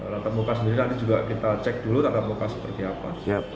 tatap muka sendiri nanti juga kita cek dulu tatap muka seperti apa